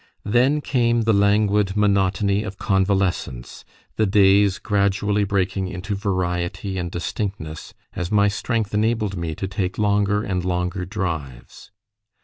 Then came the languid monotony of convalescence, the days gradually breaking into variety and distinctness as my strength enabled me to take longer and longer drives.